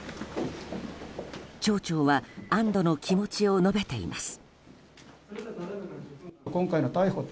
町長は安堵の気持ちを述べています。